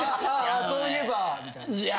「ああそういえば」みたいな。